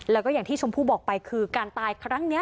แล้วก็อย่างที่ชมพู่บอกไปคือการตายครั้งนี้